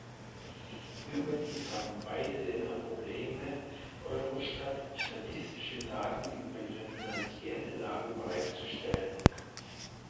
Überdies haben beide Länder Probleme, Eurostat statistische Daten über ihre finanzielle Lage bereitzustellen.